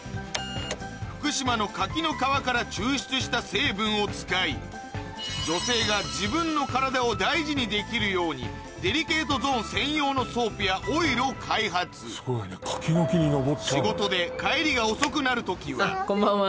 福島の柿の皮から抽出した成分を使い女性が自分の体を大事にできるようにデリケートゾーン専用のソープやオイルを開発仕事で帰りが遅くなる時はこんばんは。